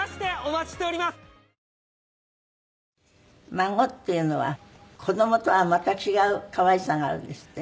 孫っていうのは子供とはまた違う可愛さがあるんですって？